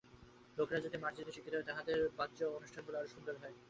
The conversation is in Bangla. লোকেরা যদি মার্জিত ও শিক্ষিত হয়, তাহাদের বাহ্য অনুষ্ঠানগুলি আরও সুন্দর হয়।